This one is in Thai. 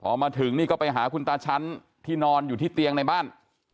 พอมาถึงนี่ก็ไปหาคุณตาชั้นที่นอนอยู่ที่เตียงในบ้าน